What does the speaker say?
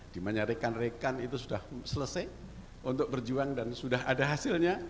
di mana rekan rekan itu sudah selesai untuk berjuang dan sudah ada hasilnya